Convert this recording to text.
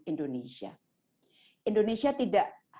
indonesia tidak hanya akan menjadi kata kunci